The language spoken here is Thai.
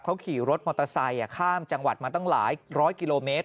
เขาขี่รถมอเตอร์ไซค์ข้ามจังหวัดมาตั้งหลายร้อยกิโลเมตร